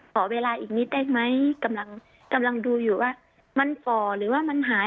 ขอเวลาอีกนิดได้ไหมกำลังดูอยู่ว่ามันฝ่อหรือว่ามันหาย